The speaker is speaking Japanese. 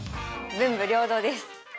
文武両道です。